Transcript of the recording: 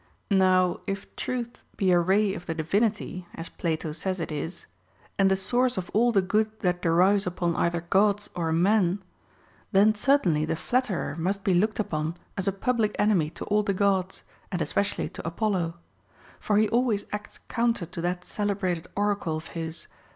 Now, if truth be a ray of the divinity, as Plato says it is, and the source of all the good that derives upon either Gods or men, then certainly the flatterer must be looked HOW TO KNOW A FLATTERER FROM A FRIEND. 101 upon as a public enemy to all the Gods, and especially to Apollo ; for he always acts counter to that celebrated oracle of his.